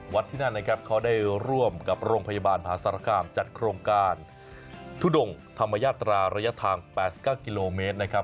ที่นั่นนะครับเขาได้ร่วมกับโรงพยาบาลมหาสารคามจัดโครงการทุดงธรรมยาตราระยะทาง๘๙กิโลเมตรนะครับ